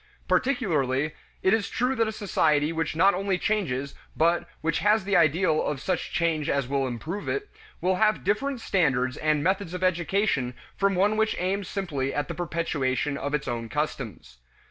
Particularly is it true that a society which not only changes but which has the ideal of such change as will improve it, will have different standards and methods of education from one which aims simply at the perpetuation of its own customs.